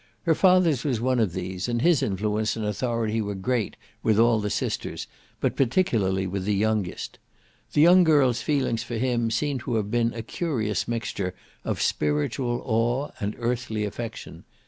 Her father's was one of these, and his influence and authority were great with all the sisters, but particularly with the youngest. The young girl's feelings for him seem to have been a curious mixture of spiritual awe and earthly affection.